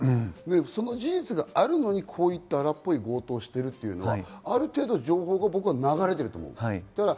その事実があるのに、こういった荒っぽい強盗をしているというのはある程度、情報が流れていると思う。